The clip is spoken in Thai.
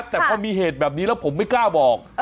แต่พอมีเหตุแบบนี้แล้วผมไม่กล้าบอก